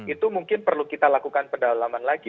itu mungkin perlu kita lakukan pendalaman lagi